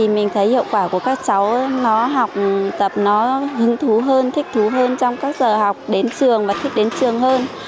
mình thấy hiệu quả của các cháu nó học tập nó hứng thú hơn thích thú hơn trong các giờ học đến trường và thích đến trường hơn